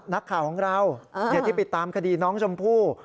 นักข่าวของเราที่ไปตามคดีน้องชมพู่